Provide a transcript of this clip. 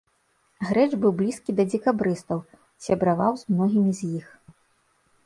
Грэч быў блізкі да дзекабрыстаў, сябраваў з многімі з іх.